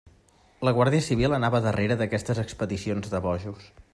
La guàrdia civil anava darrere d'aquestes expedicions de bojos.